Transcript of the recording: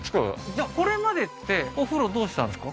じゃあこれまでってお風呂どうしてたんですか？